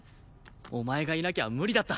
お前がいなきゃ無理だった。